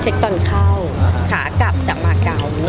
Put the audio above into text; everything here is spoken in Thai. เช็คตอนเข้าขากลับจากมาเกาะ